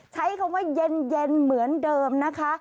ใช้คำว่าเย็นเหมือนเดิมนะคะ